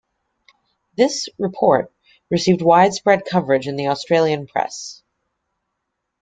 This Report received widespread coverage in the Australian press.